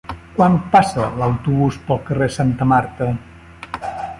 Quan passa l'autobús pel carrer Santa Marta?